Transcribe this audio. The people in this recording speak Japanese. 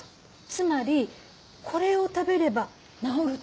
つまりこれを食べれば治るって事？